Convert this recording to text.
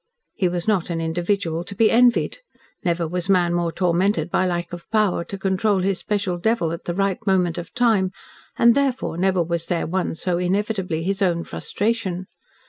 He was not an individual to be envied. Never was man more tormented by lack of power to control his special devil, at the right moment of time, and therefore, never was there one so inevitably his own frustration.